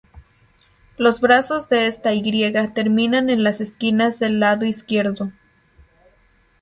Los brazos de esta "Y" terminan en las esquinas del lado izquierdo.